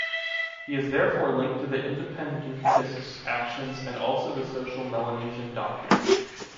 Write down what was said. He is therefore linked to the independentists ‘s actions and also the social Melanesian doctrine.